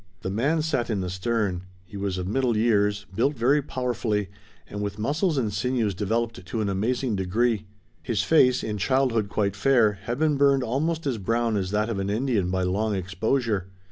The man sat in the stern. He was of middle years, built very powerfully and with muscles and sinews developed to an amazing degree. His face, in childhood quite fair, had been burned almost as brown as that of an Indian by long exposure.